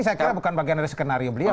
saya kira bukan bagian dari skenario beliau